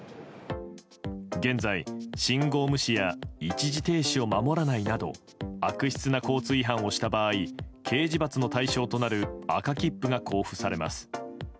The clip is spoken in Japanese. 現在、信号無視や一時停止を守らないなど悪質な交通違反をした場合刑事罰の対象となる赤切符が交付されます。